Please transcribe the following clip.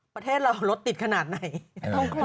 ประเทศเรารถติดขนาดไหน